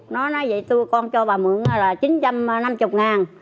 nói vậy tôi con cho bà mượn là chín trăm năm mươi ngàn